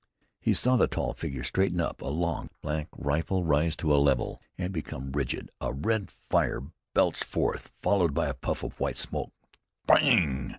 He saw the tall figure straighten up; a long, black rifle rise to a level and become rigid; a red fire belch forth, followed by a puff of white smoke. _Spang!